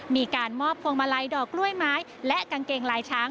มีการมอบพวงมาลัยดอกกล้วยไม้และกางเกงลายช้าง